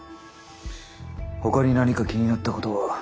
ほかに何か気になったことは？